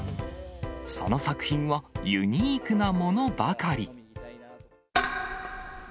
その作品はユニークなものばかり。